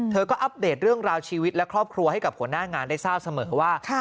เธอก็อัปเดตเรื่องราวชีวิตและครอบครัวให้กับหัวหน้างานได้ทราบเสมอว่า